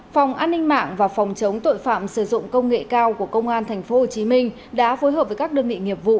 phòng an ninh mạng và phòng chống tội phạm sử dụng công nghệ cao của công an tp hcm đã phối hợp với các đơn vị nghiệp vụ